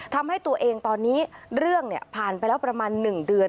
ทำให้ตัวเองตอนนี้เรื่องผ่านไปแล้วประมาณ๑เดือน